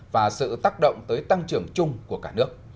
và sự tác động tới tăng trưởng chung của cả nước